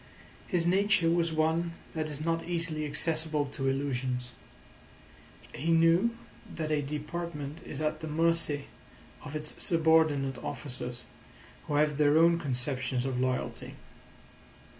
His nature was one that is not easily accessible to illusions. He knew that a department is at the mercy of its subordinate officers, who have their own conceptions of loyalty.